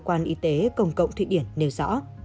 cơ quan y tế công cộng thụy điển nêu rõ